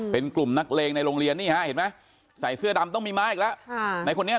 เป็นกลุ่มนักเลงในโรงเรียนนี่ฮะเห็นไหมใส่เสื้อดำต้องมีม้าอีกแล้วในคนนี้